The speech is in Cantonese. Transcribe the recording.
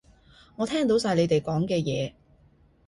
我聽到晒你哋講嘅嘢